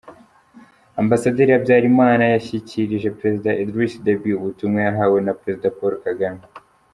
Ambasaderi Habyalimana yashyikirije Perezida Idriss Déby ubutumwa yahawe na Perezida Paul Kagame.